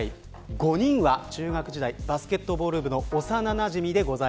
５人は中学時代バスケットボール部の幼なじみです。